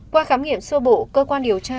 qua khám nghiệm sơ bộ cơ quan điều tra